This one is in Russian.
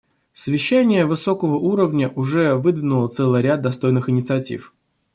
Совещание высокого уровня уже выдвинуло целый ряд достойных инициатив.